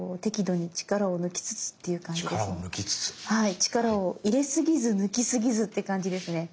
力を入れ過ぎず抜き過ぎずって感じですね。